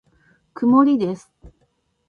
曇りです。